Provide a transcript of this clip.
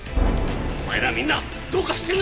お前らみんなどうかしてるんだ！